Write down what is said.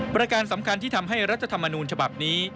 ประการสำคัญที่ทำให้รัฐธรรมนูญฉบับนี้